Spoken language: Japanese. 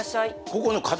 ここの角？